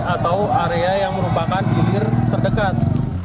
atau area yang merupakan hilir terdekat